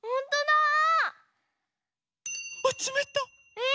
え！